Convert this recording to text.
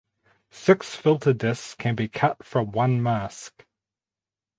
Six filter discs can be cut from one mask.